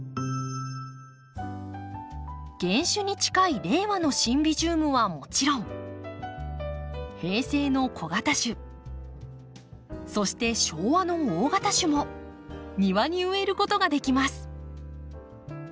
原種に近い令和のシンビジウムはもちろん平成の小型種そして昭和の大型種も庭に植えることができます。